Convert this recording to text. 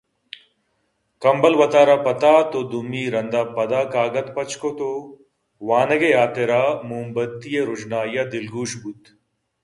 کمبل وتارا پتات ءُدومی رند ءَ پد ءَ کاگد پچ کُتءُوانگ ءِ حاتراا موم بتی ءِ روژنائی ءَ دلگوش بوت